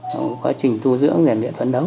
trong quá trình tu dưỡng giàn luyện phấn đấu